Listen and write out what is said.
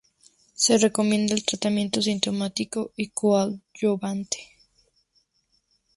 Se recomienda el tratamiento sintomático y coadyuvante.